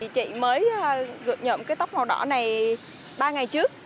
chị mới nhuộm cái tóc màu đỏ này ba ngày trước